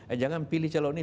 eh jangan pilih calon ini